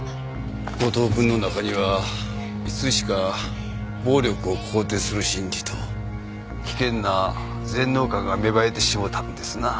後藤くんの中にはいつしか暴力を肯定する心理と危険な全能感が芽生えてしもたんですな。